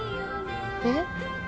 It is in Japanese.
えっ？